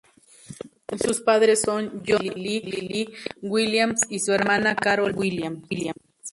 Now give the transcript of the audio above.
Sus padres son John y Lillie Williams, y su hermana, Carol Ann Williams.